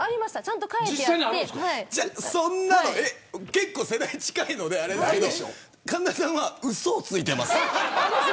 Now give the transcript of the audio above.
結構世代が近いのであれですけど神田さんは、うそをついてます。